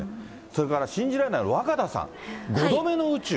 それから信じられない、若田さん、５度目の宇宙。